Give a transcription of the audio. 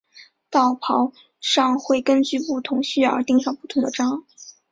道袍上会根据不同需要而钉上不同的章。